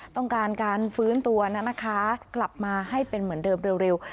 ต้องการการฟื้นตัวนั้นนะคะกลับมาให้เป็นเหมือนเดิมเร็ว